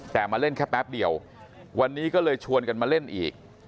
แต่มาเล่นแค่แป๊บเดียววันนี้ก็เลยชวนกันมาเล่นอีก